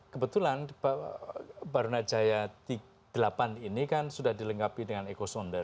kebetulan barunajaya delapan ini kan sudah dilengkapi dengan ecosonder